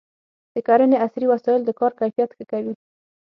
د کرنې عصري وسایل د کار کیفیت ښه کوي.